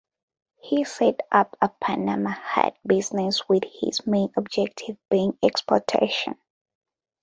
He set up a Panama hat business with his main objective being exportation.